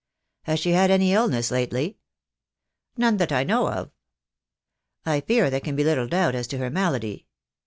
"Has she had any illness lately?" "None that I know of." "I fear there can be little doubt as to her malady.